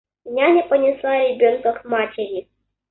Няня понесла ребенка к матери.